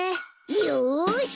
よし！